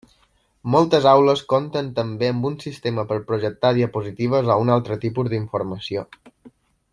Moltes aules compten també amb un sistema per projectar diapositives o un altre tipus d'informació.